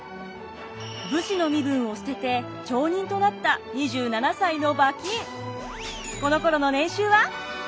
武士の身分を捨てて町人となった２７歳の馬琴。